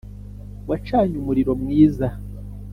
wacanye umuriro mwiza.